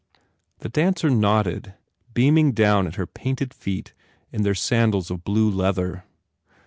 The dancer nodded, beaming down at her painted feet in their sandals of blue leather.